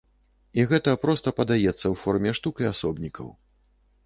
І гэта проста падаецца ў форме штук і асобнікаў.